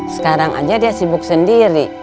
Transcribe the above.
sekarang aja dia sibuk sendiri